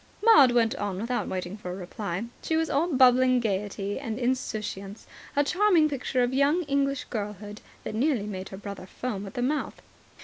Maud went on without waiting for a reply. She was all bubbling gaiety and insouciance, a charming picture of young English girlhood that nearly made her brother foam at the mouth.